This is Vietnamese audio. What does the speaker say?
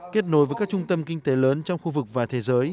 kết nối với các trung tâm kinh tế lớn trong khu vực và thế giới